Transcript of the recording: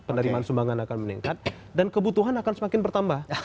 penerimaan sumbangan akan meningkat dan kebutuhan akan semakin bertambah